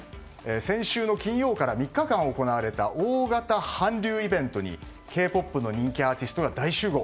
先週の金曜から３日間行われた大型韓流イベントにＫ‐ＰＯＰの人気アーティストが大集合！